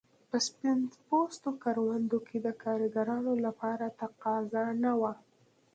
په سپین پوستو کروندو کې د کارګرانو لپاره تقاضا نه وه.